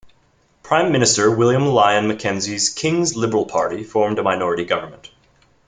Prime Minister William Lyon Mackenzie King's Liberal Party formed a minority government.